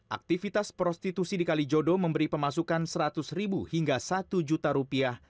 aktivitas prostitusi di kali jodo memberi pemasukan seratus hingga satu juta rupiah